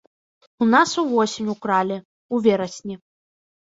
У нас увосень укралі, у верасні.